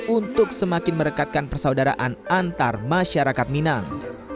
untuk semakin merekatkan persaudaraan antar masyarakat minang